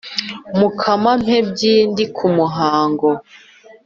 mukama mpembyi ndi ku muhango.